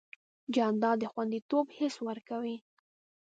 جانداد د خوندیتوب حس ورکوي.